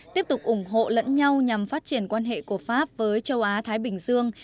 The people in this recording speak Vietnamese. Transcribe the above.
tiếp tục ủng hộ lẫn nhau nhằm phát triển quan hệ của pháp với châu á thái bình dương